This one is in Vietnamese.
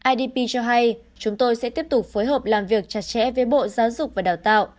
idp cho hay chúng tôi sẽ tiếp tục phối hợp làm việc chặt chẽ với bộ giáo dục và đào tạo